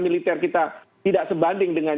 militer kita tidak sebanding dengan